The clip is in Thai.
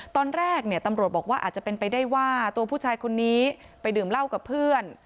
ตอนแรกเนี่ยตำรวจบอกว่าอาจจะเป็นไปได้ว่าตัวผู้ชายคนนี้ไปดื่มเหล้ากับเพื่อน